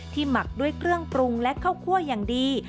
หมักด้วยเครื่องปรุงและข้าวคั่วอย่างดี